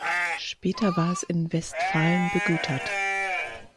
Später war es in Westfalen begütert.